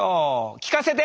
聞かせて！